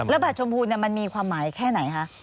บัตรชมพูมันมีความหมายแค่ไหนคะ